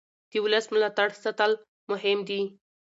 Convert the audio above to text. د ولس ملاتړ ساتل مهم دي